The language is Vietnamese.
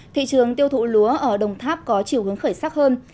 thị trường tiêu thụ lúa ở đồng tháp có chiều hướng khởi sắc hơn